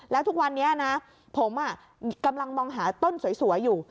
แล้วทุกวันนี้นะผมกำลังมองหาต้นสวยอยู่